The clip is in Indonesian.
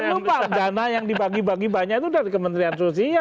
jangan lupa dana yang dibagi bagi banyak itu dari kementerian sosial